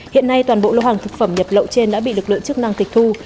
hiện nay toàn bộ lô hàng thực phẩm nhập lậu trên đã bị lực lượng chức năng tịch thu